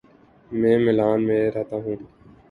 میں میلان میں رہتا ہوں